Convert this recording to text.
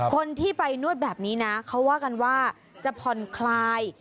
คนที่ไปนวดแบบนี้นะเขาว่ากันว่าจะผ่อนคลาย